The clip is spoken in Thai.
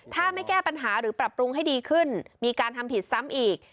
ถ้าไม่แก้ปัญหาหรือปรับปรุงให้ดีขึ้นมีการทำผิดซ้ำอีก